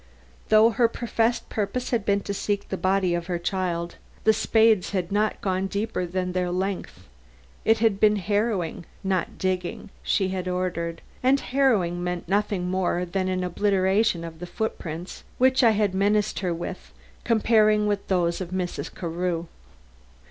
Though her professed purpose had been to seek the body of her child, the spades had not gone deeper than their length. It had been harrowing, not digging, she had ordered, and harrowing meant nothing more than an obliteration of the footprints which I had menaced her with comparing with those of Mrs. Carew.